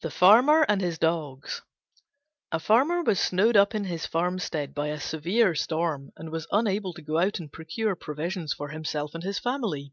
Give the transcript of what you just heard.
THE FARMER AND HIS DOGS A Farmer was snowed up in his farmstead by a severe storm, and was unable to go out and procure provisions for himself and his family.